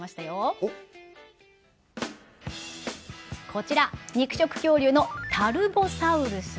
こちら肉食恐竜のタルボサウルスです。